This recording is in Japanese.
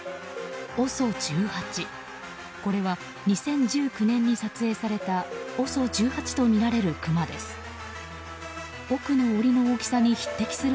これは２０１９年に撮影されたＯＳＯ１８とみられるクマです。